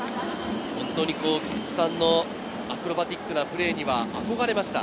本当に菊池さんのアクロバティックなプレーには憧れました。